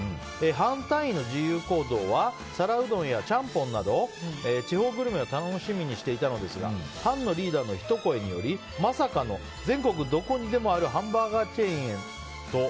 班単位の自由行動は皿うどんや、ちゃんぽんなど地方グルメを楽しみにしていたのですが班のリーダーのひと声によりまさかの全国どこにでもあるハンバーガーチェーンへと。